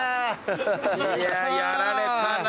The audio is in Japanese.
いややられたな。